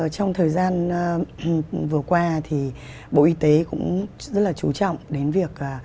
trong thời gian vừa qua thì bộ y tế cũng rất là chú trọng đến việc